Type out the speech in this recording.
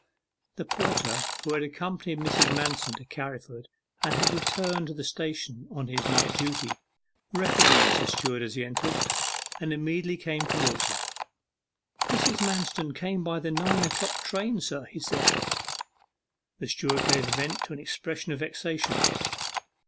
The porter who had accompanied Mrs. Manston to Carriford, and had returned to the station on his night duty, recognized the steward as he entered, and immediately came towards him. 'Mrs. Manston came by the nine o'clock train, sir,' he said. The steward gave vent to an expression of vexation.